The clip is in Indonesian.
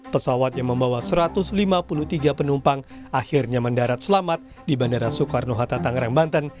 pesawat yang membawa satu ratus lima puluh tiga penumpang akhirnya mendarat selamat di bandara soekarno hatta tangerang banten